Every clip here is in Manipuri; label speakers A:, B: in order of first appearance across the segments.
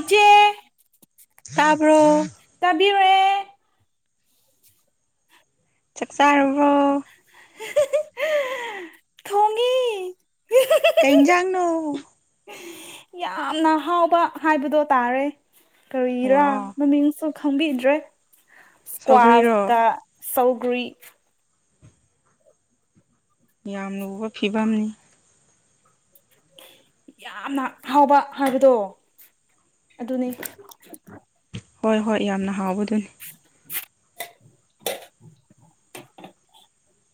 A: ꯏꯆꯦ
B: ꯇꯥꯕꯔꯣ
A: ꯇꯥꯕꯤꯔꯛꯑꯦ
B: ꯆꯥꯛꯆꯥꯔꯕꯣ
A: ꯊꯣꯡꯉꯤ
B: ꯀꯩ ꯏꯟꯖꯥꯡꯅꯣ
A: ꯌꯥꯝꯅ ꯍꯥꯎꯕ ꯍꯥꯏꯕꯗꯣ ꯇꯥꯔꯦ ꯀꯔꯤꯔꯥ
B: ꯋꯥ
A: ꯃꯃꯤꯡꯁꯨ ꯈꯪꯕꯤꯗ꯭ꯔꯦ
B: ꯁꯧꯒ꯭ꯔꯤꯔꯣ
A: ꯏꯁꯀ꯭ꯋꯥꯁꯇ ꯁꯧꯒ꯭ꯔꯤ
B: ꯌꯥꯝꯅ ꯎꯕ ꯐꯤꯕꯝꯅꯤ
A: ꯌꯥꯝꯅ ꯍꯥꯎꯕ ꯍꯥꯏꯕꯗꯣ ꯑꯗꯨꯅꯤ
B: ꯍꯣꯏ ꯍꯣꯏ ꯌꯥꯝꯅ ꯍꯥꯎꯕꯗꯨꯅꯤ
A: [inaudible]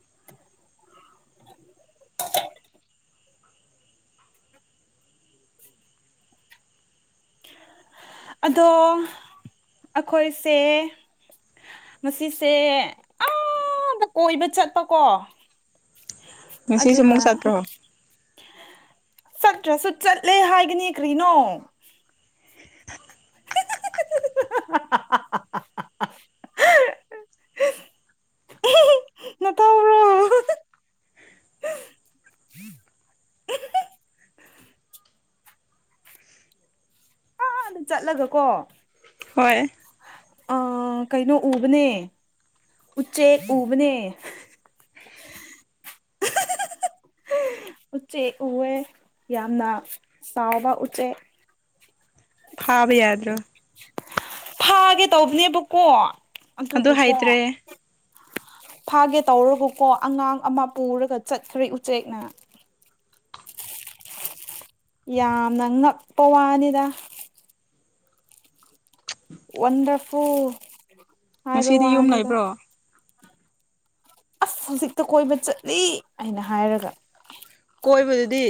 A: [inaudible] ꯑꯗꯣ ꯑꯩꯈꯣꯏꯁꯦ ꯉꯁꯦ ꯑꯥꯗ ꯀꯣꯏꯕ ꯆꯠꯄꯀꯣ
B: ꯉꯁꯤ
A: ꯑꯗꯨꯒ
B: ꯁꯃꯨꯛ ꯁꯥꯠꯄ꯭ꯔꯍꯣ
A: ꯆꯠꯇ꯭ꯔꯁꯨ ꯆꯠꯂꯦ ꯍꯥꯏꯒꯅꯤ ꯀ꯭ꯔꯤꯅꯣ ꯍꯍꯍꯍ
B: [inaudible]
A: ꯍꯥꯍꯥꯍꯥꯍꯥꯍꯥꯍ ꯅꯇꯥꯎꯔꯣ
B: ꯍ
A: ꯑꯥꯗ ꯆꯠꯂꯒ ꯀꯣ
B: ꯍꯣꯏ
A: ꯑ ꯀꯩꯅꯩꯅꯣ ꯎꯕꯅꯦ ꯎꯆꯦ ꯎꯕꯅꯦ
B: ꯍꯍꯍ
A: ꯎꯆꯦꯛ ꯎꯑꯦ ꯌꯥꯝꯅ ꯆꯥꯎꯕ ꯎꯆꯦꯛ
B: ꯐꯥꯕ ꯌꯥꯗ꯭ꯔꯣ
A: ꯐꯥꯒꯦ ꯇꯧꯕꯅꯦꯕꯀꯣ
B: ꯑꯗꯨꯗ
A: ꯑꯗꯨꯕꯨꯀꯣ
B: ꯍꯥꯏꯗ꯭ꯔꯦ
A: ꯐꯥꯒꯦ ꯇꯧꯔꯕꯨꯀꯣ ꯑꯉꯥꯡ ꯑꯃ ꯄꯨꯔꯒ ꯆꯠꯈ꯭ꯔꯦ ꯎꯆꯦꯛꯅ ꯌꯥꯝꯅ ꯉꯛꯄ ꯋꯥꯅꯤꯗ ꯋꯥꯟꯗꯔꯐꯨꯜ ꯍꯥꯏꯕ
B: ꯉꯁꯤꯗꯤ ꯌꯨꯝ
A: ꯋꯥꯅꯤꯗ
B: ꯂꯩꯕ꯭ꯔꯣ
A: ꯑꯁ ꯍꯧꯖꯤꯛꯇ ꯀꯣꯏꯕ ꯆꯠꯂꯤ ꯍꯥꯏꯅ ꯍꯥꯏꯔꯒ
B: ꯀꯣꯏꯕꯗꯨꯗꯤ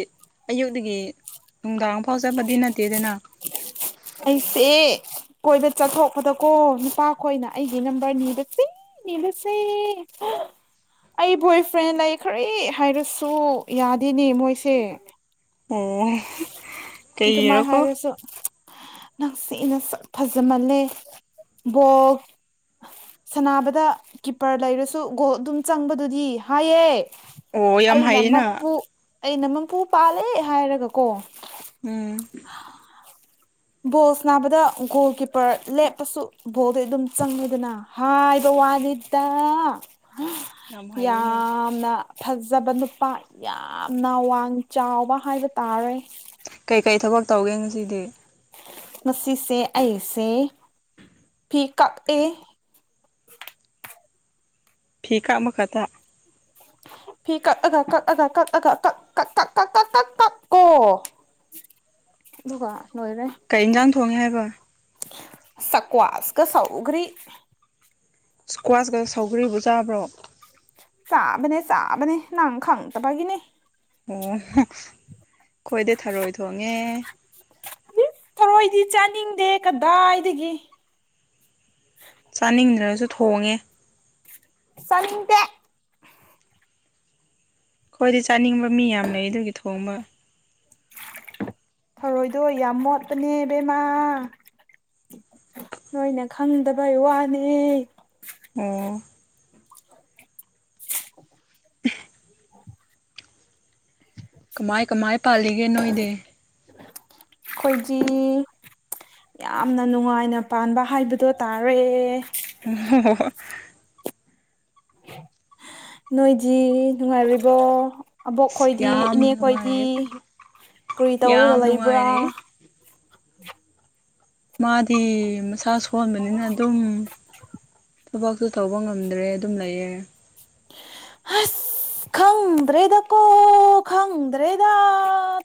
B: ꯑꯌꯨꯛꯇꯒꯤ ꯅꯨꯡꯗꯥꯡ ꯐꯥꯎ ꯆꯠꯄꯗꯤ ꯅꯠꯇꯦ ꯑꯗꯨꯅ
A: ꯑꯁꯦ ꯀꯣꯏꯕ ꯆꯠꯊꯣꯛꯄꯗꯀꯣ ꯅꯨꯄꯥ ꯈꯣꯏꯅ ꯑꯩꯒꯤ ꯅꯝꯕꯔ ꯅꯤꯕꯁꯦ ꯅꯤꯕꯁꯦ
B: ꯎ
A: ꯑꯩ ꯕꯣꯏ ꯐ꯭ꯔꯦꯟ ꯂꯩ ꯈꯔ ꯍꯥꯏꯔꯁꯨ ꯌꯥꯗꯦꯅꯦ ꯃꯣꯏꯁꯦ
B: ꯎꯝ
A: ꯑꯗꯨꯃꯥꯏꯅ ꯍꯥꯏꯔꯁꯨ ꯅꯪꯁꯤꯅ ꯁ ꯐꯖꯃꯜꯂꯦ ꯕꯣ ꯁꯅꯕꯗ ꯀꯤꯞꯄꯔ ꯂꯩꯔꯁꯨ ꯒꯣꯜ ꯑꯗꯨꯝ ꯆꯪꯕꯗꯨꯗꯤ ꯍꯥꯏꯌꯦ
B: ꯑꯣ ꯌꯥꯝ
A: ꯑꯩꯅ
B: ꯍꯩꯌꯦꯅ
A: ꯃꯄꯨ ꯑꯩꯅ ꯃꯄꯨ ꯄꯥꯜꯂꯦ ꯍꯥꯏꯔꯒ ꯀꯣ
B: ꯎꯝ
A: ꯕꯣꯜ ꯁꯅꯕꯗ ꯒꯣꯜ ꯀꯤꯞꯄꯔ ꯂꯦꯞꯄꯁꯨ ꯕꯣꯜꯗ ꯑꯗꯨꯝ ꯆꯪꯉꯦꯗꯅ ꯍꯥꯏꯕ ꯋꯥꯠꯂꯤꯠꯇ
B: ꯌꯥꯝ ꯍꯩꯌꯦꯅ
A: ꯌꯥꯝꯅ ꯐꯖꯕ ꯅꯨꯄꯥ ꯌꯥꯝꯅ ꯋꯥꯡ ꯆꯥꯎꯕ ꯍꯥꯏꯕ ꯇꯥꯔꯦ
B: ꯀꯩꯀꯩ ꯊꯕꯛ ꯇꯧꯒꯦ ꯉꯁꯤꯗꯤ
A: ꯃꯁꯤꯁꯦ ꯑꯩꯁꯦ ꯐꯤ ꯀꯛ ꯑꯦ
B: ꯐꯤ ꯀꯛ ꯑꯃ ꯀꯗ
A: ꯐꯤ ꯀꯛ ꯑꯒꯀꯛ ꯑ ꯀꯛ ꯑ ꯀꯛ ꯀꯛ ꯀꯛ ꯀꯣ
B: [unintelligible]
A: ꯑꯗꯨꯒ ꯂꯣꯏꯔꯦ
B: ꯊꯣꯡ ꯍꯥꯏꯕ
A: ꯁꯀ꯭ꯋꯥꯁ ꯀ ꯁꯧꯒꯔꯤ
B: ꯁꯨꯛꯋꯥꯁꯀ ꯁꯧꯒ꯭ꯔꯤꯒ ꯆꯥꯕ꯭ꯔꯣ
A: ꯆꯥꯕꯅꯦ ꯆꯥꯕꯅꯦ ꯅꯝ ꯈꯪꯇꯕꯒꯤꯅꯤ
B: ꯑꯪꯍ ꯈꯪꯏꯗꯤ ꯊꯔꯣꯏ ꯊꯣꯡꯉꯦ
A: ꯊꯔꯣꯏꯗꯤ ꯆꯥꯅꯤꯡꯗꯦ ꯀꯗꯥꯏꯗꯒꯤ
B: ꯆꯥꯅꯤꯡꯗ꯭ꯔꯒꯁꯨ ꯊꯣꯡꯉꯦ
A: ꯁꯅꯤꯡꯇꯦ
B: ꯑꯩꯣꯏꯗꯤ ꯆꯥꯅꯤꯡꯕ ꯃꯤ ꯌꯥꯝ ꯂꯩ ꯑꯗꯨꯒꯤ ꯊꯣꯡꯕ
A: ꯊꯔꯣꯏꯗꯣ ꯌꯥꯝ ꯃꯣꯠꯄꯅꯦ ꯕꯦꯝꯃꯥ ꯅꯣꯏꯅ ꯈꯪꯗꯕꯩ ꯋꯥꯅꯦ
B: ꯑꯣ
A: [unintelligible]
B: ꯀꯃꯥꯏ ꯀꯃꯥꯏ ꯄꯥꯜꯂꯤꯒꯦ ꯅꯣꯏꯗꯤ
A: ꯈꯣꯏꯖꯤ ꯌꯥꯝꯅ ꯅꯨꯡꯉꯥꯏꯅ ꯄꯥꯟꯕ ꯍꯥꯏꯕꯗꯣ ꯇꯥꯔꯦ ꯅꯣꯏꯗꯤ ꯅꯨꯡꯉꯥꯏꯔꯤꯕꯣ ꯑꯕꯣꯛ ꯈꯣꯏꯗꯤ
B: ꯌꯥꯝ
A: ꯏꯅꯦ ꯈꯣꯏꯗꯤ
B: ꯅꯨꯡꯉꯥꯏꯔꯦ
A: ꯀ꯭ꯔꯤ ꯇꯧꯔꯒ
B: ꯌꯥꯝ
A: ꯂꯩꯕ꯭ꯔꯥ
B: ꯅꯨꯡꯉꯥꯏꯔꯦ ꯃꯥꯗꯤ ꯃꯁꯥ ꯁꯣꯟꯕꯅꯤꯅ ꯑꯗꯨꯝ ꯊꯕꯛꯁꯨ ꯇꯧꯕ ꯉꯝꯗ꯭ꯔꯦ ꯑꯗꯨꯝ ꯂꯩꯌꯦ
A: ꯍꯁ ꯈꯪꯗ꯭ꯔꯦꯗ ꯀꯣ ꯈꯪꯗ꯭ꯔꯦꯗ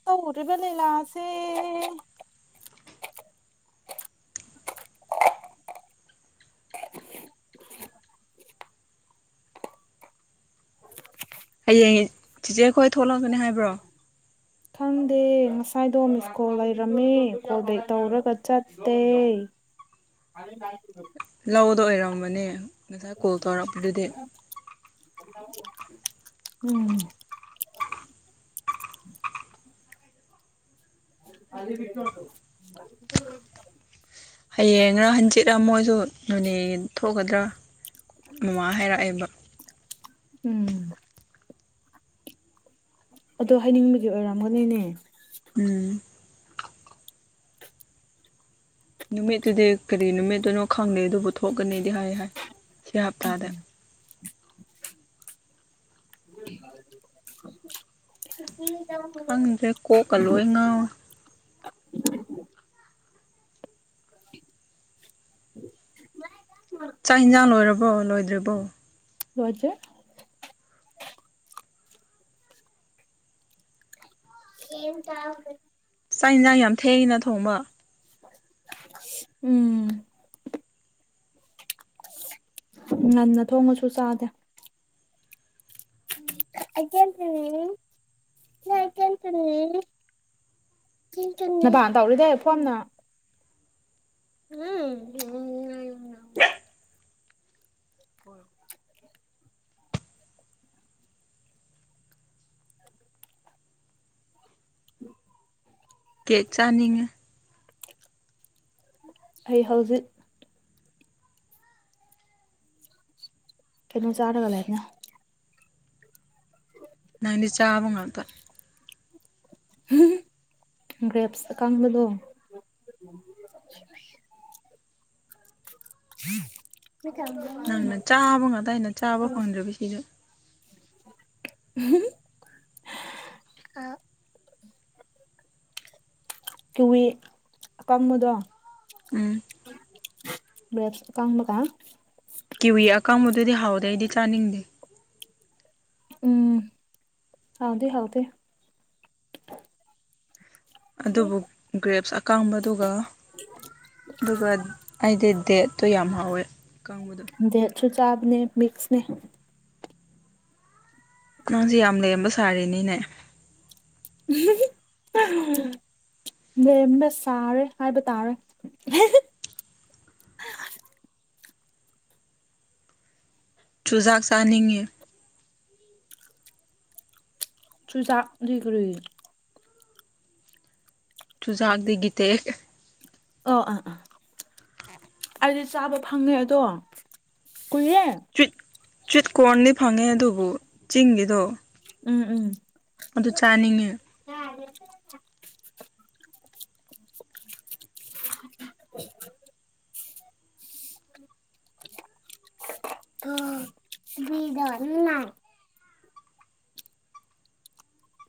A: ꯇꯧꯔꯤꯕ ꯂꯤꯂꯥꯁꯦ
B: [unintelligible] [unintelligible]
A: [unintelligible] [unintelligible]
B: ꯍꯌꯦꯡ ꯆꯤꯆꯦ ꯈꯣꯏ ꯊꯣꯛꯂꯛꯒꯅꯤ ꯍꯥꯏꯕ꯭ꯔꯣ
A: ꯈꯪꯗꯦ ꯉꯁꯥꯏꯗꯣꯝ ꯃꯤꯁꯀꯣꯜ ꯂꯩꯔꯝꯃꯦ ꯀꯣꯜ ꯕꯦꯛ ꯇꯧꯔꯒ ꯆꯠꯇꯦ ꯑ [unintelligible]
B: ꯂꯧꯗ ꯑꯣꯏꯔꯝꯕꯅꯦ ꯉꯁꯥꯏ ꯀꯣꯜ ꯇꯧꯔꯛꯄꯗꯨꯗꯤ
A: ꯎꯝ ꯑꯗꯠꯇꯣꯇꯣ [unintelligible]
B: ꯍꯌꯦꯡꯔ ꯍꯟꯆꯤꯠ ꯑꯃ ꯃꯣꯏꯁꯨ ꯅꯣꯅꯦ ꯊꯣꯛꯒꯗ꯭ꯔꯥ ꯑꯃꯥꯏ ꯍꯥꯏꯔꯛꯑꯦꯕ
A: ꯎꯝ ꯑꯗꯣ ꯍꯥꯌꯦꯡꯕꯨꯗꯤ ꯑꯣꯏꯔꯝꯒꯥꯅꯤꯅꯦ
B: ꯎꯝ ꯅꯨꯃꯤꯠꯇꯨꯗꯤ ꯀꯔꯤ ꯅꯨꯃꯤꯠꯇꯨꯅꯣ ꯈꯪꯗꯦ ꯑꯗꯨꯕꯨ ꯊꯣꯛꯀꯅꯤꯗꯤ ꯍꯥꯏ ꯍꯥꯏ ꯁꯤ ꯍꯞꯇꯥꯗ
A: ꯎ
B: ꯈꯪꯗ꯭ꯔꯦ ꯀꯣꯛꯀ ꯂꯣꯏ ꯉꯥꯎꯋ
A: [unintelligible]
B: ꯆꯥꯛ ꯌꯦꯟꯁꯥꯡ ꯂꯣꯏꯔꯕꯣ ꯂꯣꯏꯗ꯭ꯔꯤꯕꯣ
A: ꯂꯖꯦ ꯀꯦꯝ ꯆꯗ
B: ꯆꯥꯛ ꯏꯟꯁꯥꯡ ꯌꯥꯝ ꯊꯩꯏꯅ ꯊꯣꯡꯕ
A: ꯎꯝ ꯉꯟꯅ ꯊꯣꯡꯉꯁꯨ ꯆꯥꯗꯦ ꯑ ꯊꯅꯤ ꯅꯇꯅꯤ ꯅꯄꯥꯟ ꯇꯧꯔꯤꯗꯏ ꯐꯣꯝꯅ ꯎꯝ ꯑ ꯎ
B: ꯀꯦ ꯆꯥꯅꯤꯡꯉ
A: ꯑꯩ ꯍꯧꯖꯤꯛ ꯀꯩꯅ ꯆꯥꯔꯒꯂꯅ
B: ꯅꯪꯗꯤ ꯆꯥꯕ ꯉꯥꯛꯇ
A: ꯒ꯭ꯔꯦꯞꯁ ꯑ ꯀꯥꯡꯕꯗꯣ [unintelligible] ꯎꯝ
B: ꯅꯪꯅ ꯆꯥꯕ ꯉꯇꯅ ꯆꯥꯕ ꯐꯪꯗ꯭ꯔꯕꯤ ꯁꯤꯗ
A: ꯑ ꯀꯤꯋꯤ ꯀꯪꯕꯗꯣ
B: ꯎꯝ
A: ꯀꯕ ꯀ
B: ꯀꯤꯋꯤ ꯑꯀꯪꯕꯗꯨꯗꯤ ꯍꯥꯎꯗꯩꯗꯤ ꯆꯥꯅꯤꯡꯗꯦ
A: ꯎꯝ ꯍꯥꯎꯗ ꯍꯥꯎꯗ
B: ꯑꯗꯨꯕꯨ ꯒ꯭ꯔꯦꯞꯁ ꯑꯀꯥꯡꯕꯗꯨꯒ ꯑꯗꯨꯒ ꯑꯩꯗꯤ ꯗꯦꯠꯇꯣ ꯌꯥꯝ ꯍꯥꯎꯋꯦ ꯀꯪꯕꯗꯣ
A: ꯆꯨꯇꯥꯞꯅꯦ ꯃꯤꯛꯁꯅꯦ
B: ꯅꯪꯁꯦ ꯌꯥꯝ ꯂꯩꯦꯝꯕ ꯁꯥꯔꯤꯅꯤꯅꯦ
A: [unintelligible] ꯅꯦꯝꯅ ꯁꯥꯥꯔꯦ ꯍꯥꯏꯕ ꯇꯥꯔꯦ
B: [unintelligible] ꯆꯨꯖꯥꯛ ꯆꯥꯅꯤꯡꯦ
A: ꯇ ꯆꯥ ꯒ꯭ꯔ
B: ꯆꯨꯖꯥꯛꯗ ꯒꯤꯇ
A: ꯑ ꯑꯥ ꯑꯥ ꯑꯩꯗꯤ ꯆꯥꯕ ꯐꯪꯉꯦ ꯑꯗꯣ ꯀꯨꯏꯔꯦ
B: ꯆꯋꯠ ꯆꯨꯋꯠ ꯀꯣꯔꯣꯟꯗꯤ ꯐꯪꯉꯦ ꯑꯗꯨꯕꯨ ꯆꯤꯡꯒꯤꯗꯣ
A: ꯎꯝ ꯎꯝ
B: ꯑꯗꯨ ꯆꯥꯅꯤꯡꯉꯦ [unintelligible]
A: [unintelligible] ꯑ ꯤꯗ ꯏ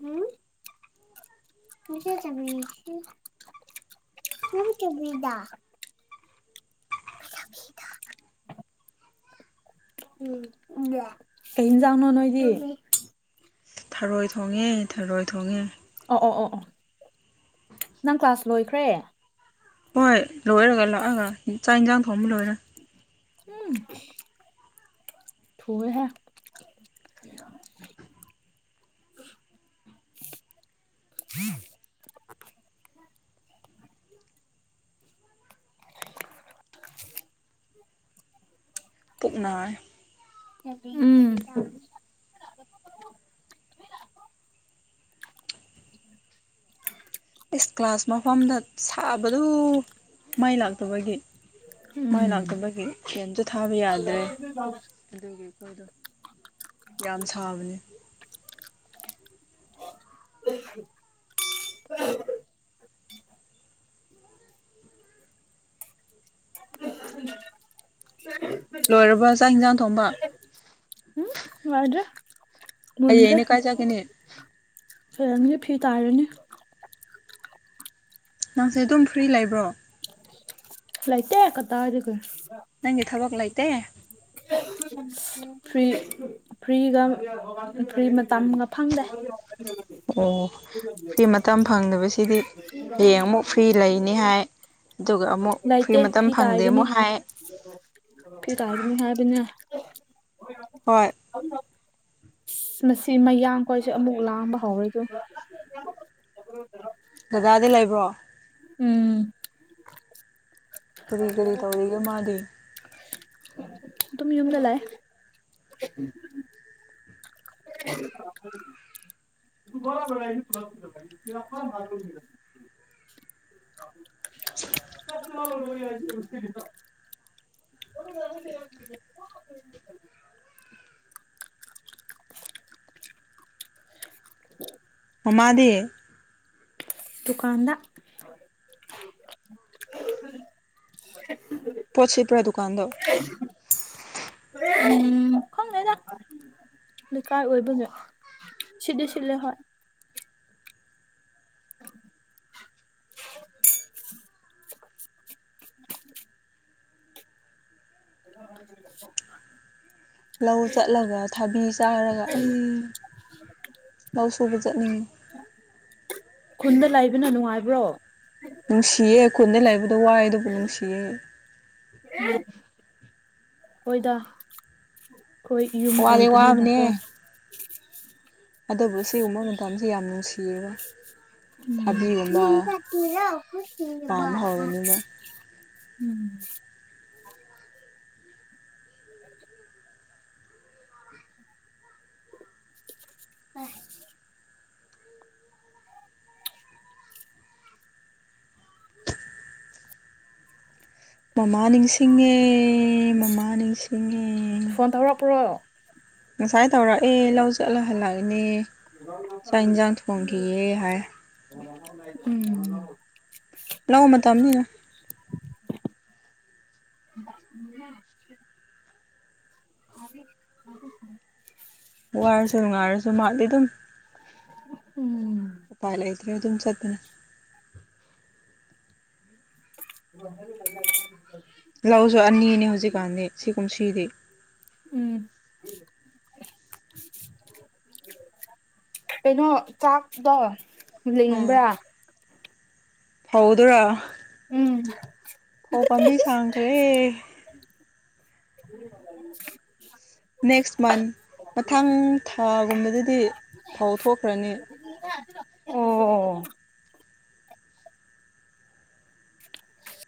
A: ꯎꯝ ꯆ ꯆꯗ [unintelligible] ꯑꯦꯅꯖꯥꯎꯅ ꯅꯣꯏꯗꯤ
B: ꯊꯔꯣꯏ ꯊꯣꯡꯉꯦ ꯊꯔꯣꯏ ꯊꯣꯡꯉꯦ
A: ꯑꯣ ꯑꯣ ꯑꯣ ꯑꯣ ꯅꯪ ꯀ꯭ꯂꯥꯁ ꯂꯣꯏꯈ꯭ꯔꯦ
B: ꯍꯣꯏ ꯂꯣꯏꯔꯒ ꯂꯥꯛꯑꯒ ꯆꯥꯛ ꯏꯟꯁꯥꯡ ꯊꯣꯡꯕ ꯂꯣꯏꯔꯦ
A: ꯎꯝ ꯊ ꯍꯥꯏ
B: [inaudible] [inaudible] ꯇꯨꯞꯅꯥ
A: ꯎꯝ [inaudible]
B: ꯐꯁ ꯀ꯭ꯂꯥꯁ ꯃꯐꯝꯗ ꯁꯥꯕꯗꯨ ꯃꯥꯏ ꯂꯥꯛꯇꯕꯒꯤ ꯃꯥꯏ
A: ꯎꯝ
B: ꯂꯥꯛꯇꯕꯒꯤ ꯀꯁꯨ ꯊꯥꯕ ꯌꯥꯗ꯭ꯔꯦ ꯑꯗꯨꯒꯤ ꯑꯩꯈꯣꯏꯗꯣ ꯌꯥꯝ ꯁꯥꯕꯅꯤ
A: ꯎ
B: [inaudible]
A: [inaudible]
B: ꯂꯣꯏꯔꯕ ꯆꯥꯛ ꯌꯦꯟꯁꯥꯡ ꯊꯣꯡꯝꯕ
A: ꯌꯥꯗ꯭ꯔꯦ
B: ꯑꯩꯩꯅ ꯀꯥꯏ ꯆꯒꯅꯦ
A: ꯐꯔꯒꯦ ꯐꯤ ꯇꯥꯔꯅꯦ
B: ꯅꯪꯁꯦ ꯑꯗꯨꯝ ꯐ꯭ꯔꯤ ꯂꯩꯕ꯭ꯔꯣ
A: ꯂꯩꯥꯏꯇ ꯇ ꯍꯥꯏꯔ ꯈ ꯐ
B: ꯅꯪꯒꯤ ꯊꯕꯛ ꯂꯩꯇꯦ
A: ꯐ꯭ꯔꯤꯒ ꯐ꯭ꯔꯤ ꯃꯇꯝꯒ ꯐꯪꯗꯦ
B: ꯑꯣ ꯐ꯭ꯔꯤ ꯃꯇꯝ ꯐꯪꯗꯕꯁꯤꯗꯤ ꯍꯌꯦꯡ ꯑꯃꯨꯛ ꯐ꯭ꯔꯤ ꯂꯩꯅꯤ ꯍꯥꯏ ꯑꯗꯨꯒ ꯑꯃꯨꯛ ꯐ꯭ꯔꯤ
A: ꯂꯩꯇꯦ
B: ꯃꯇꯝ
A: ꯐꯤ
B: ꯐꯪꯗꯦ
A: ꯇꯥꯒꯅꯤ
B: ꯑꯃꯨꯛ ꯍꯥꯏ
A: ꯐꯤ ꯇꯥꯒꯅꯤ ꯍꯥꯏꯕꯅ
B: ꯍꯣꯏ
A: ꯃꯁꯤ ꯃꯌꯥꯡ ꯀꯣꯏꯁꯦ ꯑꯃꯨꯛ ꯂꯥꯡꯕ ꯍꯧꯔꯦ ꯑꯗꯨ
B: ꯗꯗꯥꯗꯤ ꯂꯩꯕ꯭ꯔꯣ
A: ꯎꯝ
B: ꯀꯔꯤ ꯀꯔꯤ ꯇꯧꯔꯤꯒꯦ ꯃꯥꯗꯤ
A: ꯇꯝ ꯌꯨꯝꯒ ꯂ [inaudible] [unintelligible] [unintelligible] [unintelligible]
B: [inaudible]
A: [inaudible]
B: ꯃꯥꯗꯤ
A: ꯗꯨꯀꯥꯟꯗ
B: ꯄꯣꯠꯁꯤꯄꯔꯥ ꯗꯨꯀꯥꯟꯗ
A: ꯎꯝ ꯈꯪꯗꯦꯗ ꯂꯩꯀꯥꯏ ꯑꯣꯏꯕꯅꯦ ꯁꯤꯗ ꯁꯤꯂ ꯍ [inaudible]
B: ꯂꯧ ꯆꯠꯂꯒ ꯊꯕꯤ ꯆꯥꯔꯒ ꯑꯩ ꯂꯎ ꯁꯨ ꯖꯠꯅꯤ
A: ꯈꯨꯟꯗ ꯂꯩꯕꯅ ꯅꯨꯡꯉꯥꯏꯕ꯭ꯔꯣ
B: ꯅꯨꯡꯁꯤꯌꯦ ꯈꯨꯟꯗ ꯂꯩꯕꯗ ꯋꯥꯏ ꯑꯗꯨꯕꯨ ꯅꯨꯡꯁꯤꯌꯦ
A: ꯑꯣꯏꯣꯏꯗ ꯑꯩꯈꯣꯏ ꯌꯨꯝ
B: ꯋꯥꯗꯤ ꯋꯥꯕꯅꯦ
A: ꯑꯣꯏꯕꯅꯤꯅꯀꯣ
B: ꯑꯗꯨꯕꯨ ꯁꯤꯒꯨꯝꯕ ꯃꯇꯝꯁꯤ ꯌꯥꯝ ꯅꯨꯡꯁꯤꯌꯦꯔ
A: ꯊ
B: ꯄꯥꯝꯕ
A: ꯆꯔꯈ
B: ꯍꯧꯔꯅꯤꯕ
A: ꯎꯝ ꯑ
B: [inaudible] ꯃꯃꯥ ꯅꯤꯡꯁꯤꯡꯉꯦ ꯃꯃꯥ ꯅꯤꯡꯁꯤꯡꯉꯦ
A: ꯐꯣꯟ ꯇꯧꯔꯛꯄ꯭ꯔꯣ
B: ꯐꯥꯏ ꯇꯧꯔꯛꯑꯦ ꯂꯧ ꯆꯠꯂ ꯍꯜꯂꯛꯏꯅꯦ ꯆꯥꯛ ꯏꯟꯁꯥꯡ ꯊꯣꯡꯈꯤꯌꯦꯦ ꯍꯥꯏ
A: ꯎꯝ
B: ꯂꯑꯣ ꯃ ꯃꯇꯝ ꯑꯃꯅꯤꯅ
A: ꯎꯝ ꯑꯗꯨ ꯑꯗꯨ
B: ꯋꯥꯔ ꯁꯔ ꯉꯥꯔꯁꯨ ꯃꯥꯗꯤ ꯑꯗꯨꯝ
A: ꯎꯝ
B: ꯄꯥꯏꯂ ꯑꯗꯨꯝ ꯆꯗꯅ
A: [inaudible]
B: ꯂꯥꯛꯑꯣꯁꯨ ꯑꯅꯤꯅꯦ ꯍꯧꯖꯤꯛꯀꯥꯟꯗꯤ ꯁꯤꯒꯨꯝꯁꯤꯗꯤ
A: ꯎꯝ ꯀꯩꯅꯣ ꯀꯥꯛꯇ ꯂꯤ ꯂꯤꯝꯕ꯭ꯔꯥ
B: ꯍꯥꯎꯗꯔꯥ
A: ꯎꯝ
B: ꯍꯣ ꯄꯝꯕꯤ ꯁꯥꯡꯈ ꯔꯦ
A: ꯎꯝ
B: ꯅꯦꯛꯁ ꯃꯟ ꯃꯊꯪ ꯊꯥꯒꯨꯝꯕꯗꯗꯤ ꯐꯥꯎ ꯊꯣꯛꯈ꯭ꯔꯅꯤ
A: ꯑꯣ